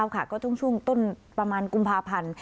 ก็ช่วงต้นประมาณกุมภาพันธ์